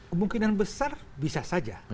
kemungkinan besar bisa saja